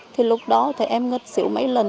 thì lúc đó thì em ngất xỉu mấy lần